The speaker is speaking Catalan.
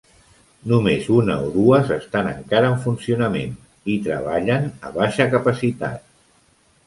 Només una o dues estan encara en funcionament, i treballen a baixa capacitat.